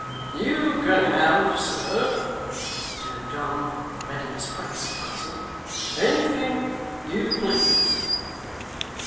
'You can have, sir,' returned John with a readiness quite surprising, 'anything you please.